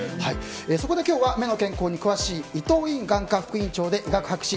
そこで今日は目の健康に詳しい伊藤医院眼科副院長で医学博士